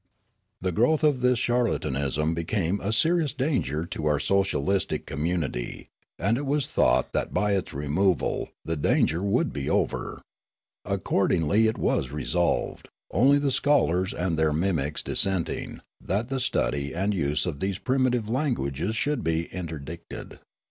The growth of this charlatanism became a serious danger to our socialistic communit}', and it was thought that by its removal the danger would be over. Accordingly it was resolved, only the scholars and their mimics dissenting, that the stud} and use of these primitive languages should be interdicted.